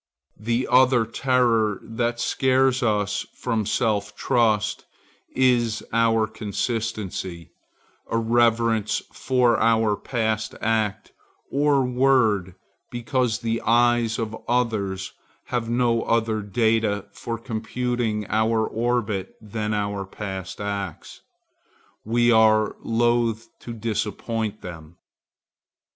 The other terror that scares us from self trust is our consistency; a reverence for our past act or word because the eyes of others have no other data for computing our orbit than our past acts, and we are loath to disappoint them.